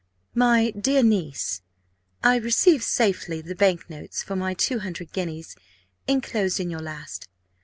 "MY DEAR NIECE, "I received safely the bank notes for my two hundred guineas, enclosed in your last.